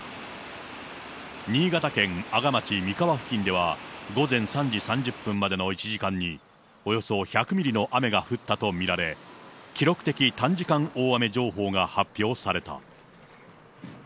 新潟県阿賀町三川付近では、午前３時３０分までの１時間におよそ１００ミリの雨が降ったと見られ、記録的短時間大雨情報が発表された。